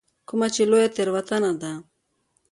کومه چې لویه تېروتنه ده.